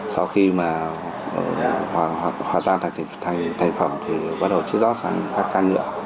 sau khi mà hóa ra thành thành phẩm thì bắt đầu chứa gió sang các căn lượng